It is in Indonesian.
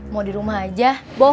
mau dirumah aja